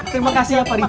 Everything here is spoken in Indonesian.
terima kasih ya parijal